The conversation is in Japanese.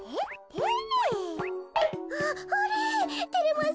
あっあれ？